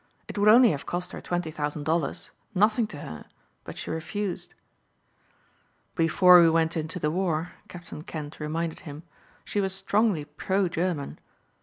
"It would only have cost her twenty thousand dollars nothing to her but she refused." "Before we went into the war," Captain Kent reminded him, "she was strongly pro German."